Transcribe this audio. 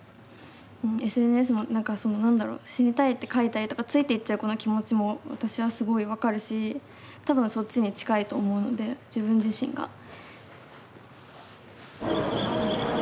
ＳＮＳもなんかその何だろ死にたいって書いたりとかついていっちゃう子の気持ちも私はすごい分かるし多分そっちに近いと思うので自分自身が。